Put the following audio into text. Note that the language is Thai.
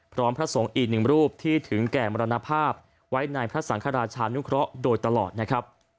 พระสงฆ์อีกหนึ่งรูปที่ถึงแก่มรณภาพไว้ในพระสังฆราชานุเคราะห์โดยตลอดนะครับ